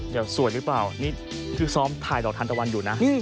ไม่สวยรึเปล่านี่ที่ที่ซ้อมถ่ายดอกทางตะวันอยู่นะ